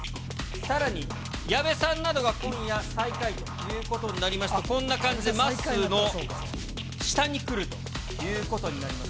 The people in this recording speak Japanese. さらに、矢部さんなどが今夜、最下位ということになりますと、こんな感じで、まっすーの下に来るということになります。